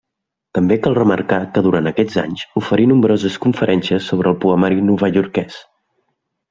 També cal remarcar que durant aquests anys oferí nombroses conferències sobre el poemari novaiorquès.